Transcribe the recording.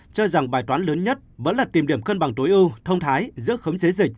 cho rằng bài toán lớn nhất vẫn là tìm điểm cân bằng tối ưu thông thái giữa khống chế dịch